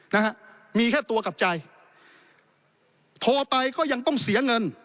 นะฮะมีแค่ตัวกับใจโทรไปก็ยังต้องเสียเงิน